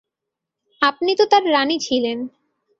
আপনি তো তাঁর রানী ছিলেন।